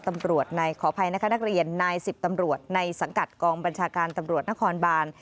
ขออภัยนะคะนักเรียนนายสิบตำรวจในสังกัดกองบัญชาการตำรวจนครบาน